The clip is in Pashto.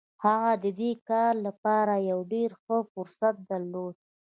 هغه د دې کار لپاره يو ډېر ښه فرصت درلود.